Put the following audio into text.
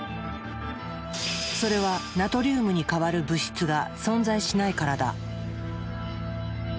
それはナトリウムに代わる物質が存在しないからだ。